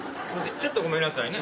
ちょっとごめんなさいね。